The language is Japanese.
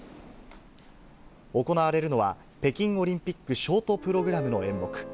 行われるのは、北京オリンピックショートプログラムの演目。